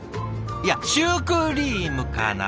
いやシュークリームかな？